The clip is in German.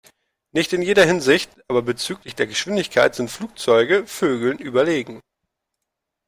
Nicht in jeder Hinsicht, aber bezüglich der Geschwindigkeit sind Flugzeuge Vögeln überlegen.